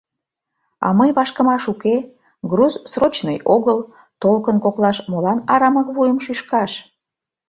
А мый вашкымаш уке, груз срочный огыл, толкын коклаш молан арамак вуйым шӱшкаш?